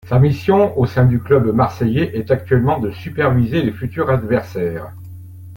Sa mission au sein du club marseillais est actuellement de superviser les futurs adversaires.